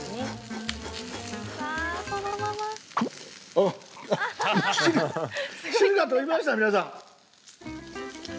あっ今汁が汁が飛びました皆さん。